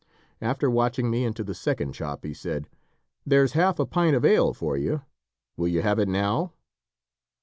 After watching me into the second chop, he said: "There's half a pint of ale for you. Will you have it now?"